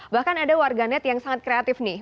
bahkan ada warganet yang sangat kreatif nih